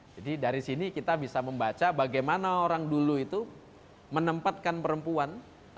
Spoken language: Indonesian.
jadi dari sini kita bisa membaca bagaimana orang dulu itu menempatkan perempuan